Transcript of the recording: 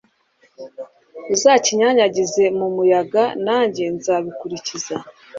uzakinyanyagize mu muyaga nanjye nzabikurikiza